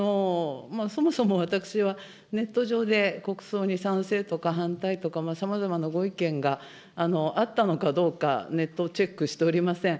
そもそも私は、ネット上で国葬に賛成とか反対とかさまざまなご意見があったのかどうか、ネットをチェックしておりません。